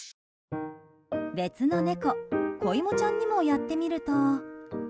別の猫、こいもちゃんにもやってみると。